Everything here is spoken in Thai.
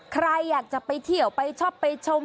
ใครอยากจะไปเที่ยวไปชอบไปชม